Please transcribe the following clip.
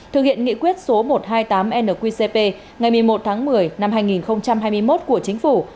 thực hiện nghị quyết số một trăm hai mươi tám nqcp ngày một mươi một tháng một mươi năm hai nghìn hai mươi một của chính phủ